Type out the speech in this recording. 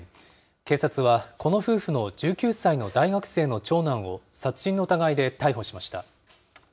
警察は、この夫婦の１９歳の大学生の長男を殺人の疑いで逮捕しました。